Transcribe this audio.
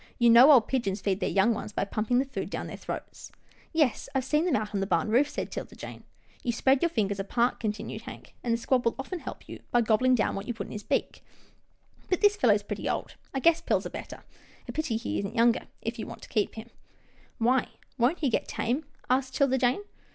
You know old pigeons feed their young ones by pumping the food down their throats." " Yes, I've seen them out on the barn roof," said 'Tilda Jane. " You spread your fingers apart," continued Hank, " and the squab will often help you by gob 152 'TILDA JANE'S ORPHANS bling down what you put in his beak, but this fellow is pretty old — I guess pills are better. A pity he isn't younger, if you want to keep him/' "Why, won't he get tame?" asked 'Tilda Jane.